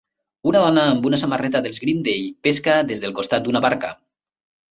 Una dona amb una samarreta dels Green Day pesca des del costat d'una barca.